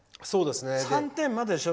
３点まででしょ？